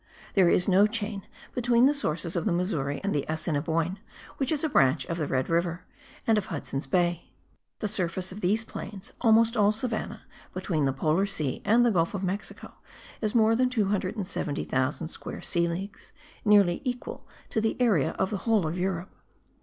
There is no chain between the sources of the Missouri and the Assineboine, which is a branch of the Red River and of Hudson's Bay. The surface of these plains, almost all savannah, between the polar sea and the gulf of Mexico, is more than 270,000 square sea leagues, nearly equal to the area of the whole of Europe.